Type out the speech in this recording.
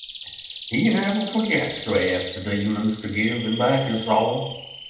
He never forgets to ask the demons to give him back his soul.